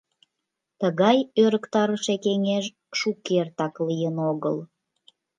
Тыгай ӧрыктарыше кеҥеж шукертак лийын огыл.